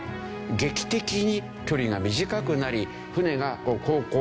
劇的に距離が短くなり。